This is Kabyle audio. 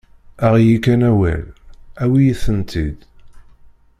Aɣ-iyi kan awal, awi-yi-ten-id.